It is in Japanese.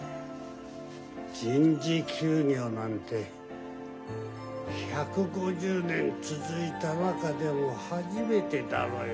臨時休業なんて１５０年続いた中でも初めてだろうよ。